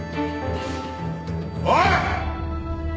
おい！